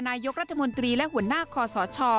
นายกรัฐมนตรีและหัวหน้าคอสช